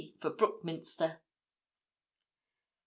for Brookminster_.